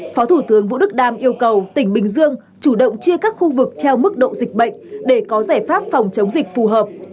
phó thủ tướng vũ đức đam yêu cầu tỉnh bình dương chủ động chia các khu vực theo mức độ dịch bệnh để có giải pháp phòng chống dịch phù hợp